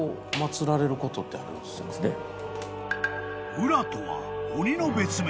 ［温羅とは鬼の別名］